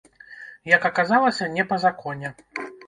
Як аказалася, не па законе.